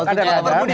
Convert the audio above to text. ada protokter budi